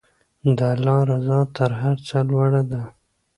د الله رضا تر هر څه لوړه ده.